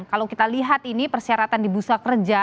kalau kita lihat ini persyaratan di bursa kerja